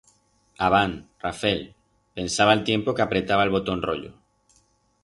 Abant, Rafel, pensaba a'l tiempo que apretaba el botón royo.